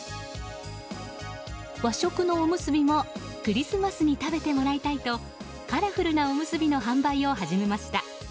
和食のおむすびもクリスマスに食べてもらいたいとカラフルなおむすびの販売を始めました。